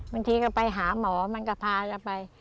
บางทีก็ไปหาหมอมันก็พากันไป